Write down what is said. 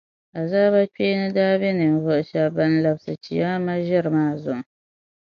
Azaaba kpeeni daa be ninvuɣu shɛba ban labsi Chiyaama ʒiri maa zuɣu.